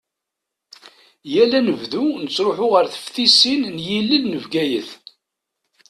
Yal anebdu nettruḥu ɣer teftisin n yilel n Bgayet.